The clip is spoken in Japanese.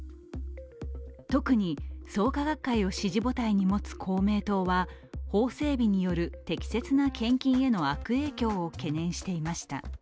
特に創価学会を支持母体に持つ公明党は法整備による適切な献金への悪影響を懸念していました。